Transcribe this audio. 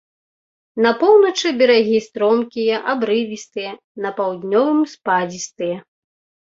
На поўначы берагі стромкія, абрывістыя, на паўднёвым спадзістыя.